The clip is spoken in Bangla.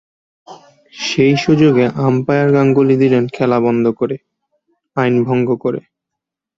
সেই সুযোগে আম্পায়ার গাঙ্গুলী দিলেন খেলা বন্ধ করে, আইন ভঙ্গ করে।